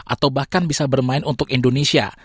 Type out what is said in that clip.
atau bahkan bisa bermain untuk indonesia